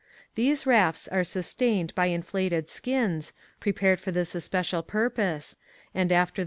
These rafts are sustained by in llated skins, prepared for this es ])ecial purpose, and after the